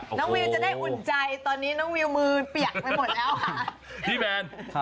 วิวจะได้อุ่นใจตอนนี้น้องวิวมือเปียกไปหมดแล้วค่ะพี่แมน